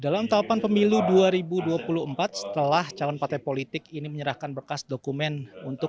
dalam tahapan pemilu dua ribu dua puluh empat setelah calon partai politik ini menyerahkan bekas dokumen untuk